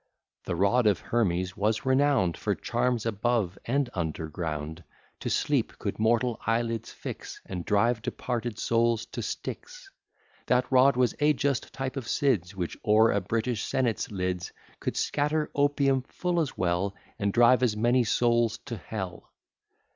The rod of Hermes was renown'd For charms above and under ground; To sleep could mortal eyelids fix, And drive departed souls to Styx. That rod was a just type of Sid's, Which o'er a British senate's lids Could scatter opium full as well, And drive as many souls to hell.